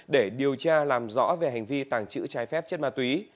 để điều tra làm rõ về hành vi tàng trữ trái phép chất ma túy